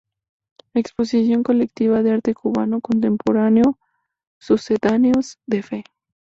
Exposición Colectiva de Arte Cubano Contemporáneo Sucedáneos de fe.